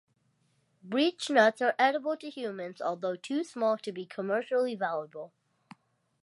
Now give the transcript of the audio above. Beech nuts are edible to humans, although too small to be commercially valuable.